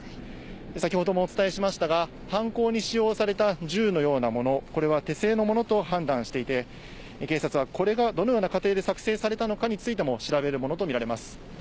先ほどもお伝えしましたが、犯行に使用された銃のようなもの、これは手製のものと判断していて、警察はこれがどのような過程で作製されたのかについても、調べるものと見られます。